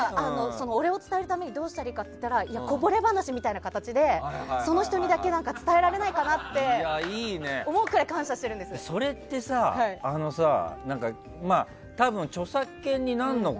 お礼を伝えるためにどうしたらいいかと言ったらこぼれ話みたいな形でその人にだけ伝えられないかなってそれって多分著作権になるのか。